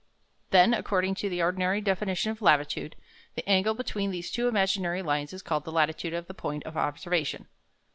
Then, according to the ordinary definition of latitude, the angle between these two imaginary lines is called the latitude of the point of observation.